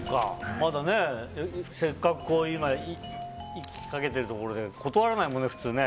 せっかくいきかけてるところで断らないもんね、普通。